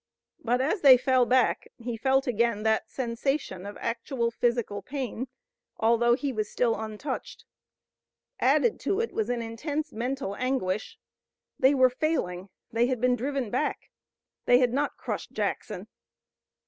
But as they fell back he felt again that sensation of actual physical pain, although he was still untouched. Added to it was an intense mental anguish. They were failing! They had been driven back! They had not crushed Jackson!